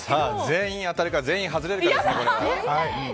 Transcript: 全員当たりか全員外れか。